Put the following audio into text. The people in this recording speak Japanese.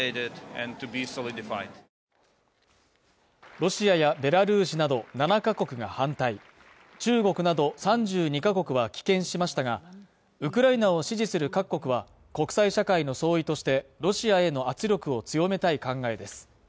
ロシアやベラルーシなど７カ国が反対、中国など３２カ国は棄権しましたが、ウクライナを支持する各国は国際社会の総意としてロシアへの圧力を強めたい考えです。